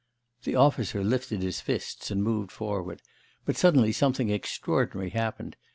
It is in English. The officer lifted his fists and moved forward, but suddenly something extraordinary happened.